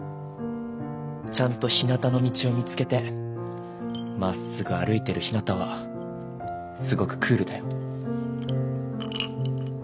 ちゃんと「ひなたの道」を見つけてまっすぐ歩いてるひなたはすごくクールだよ。